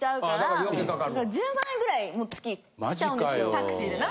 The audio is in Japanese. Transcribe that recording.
タクシーでな。